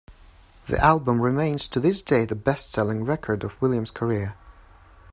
The album remains, to this day, the best-selling record of Williams' career.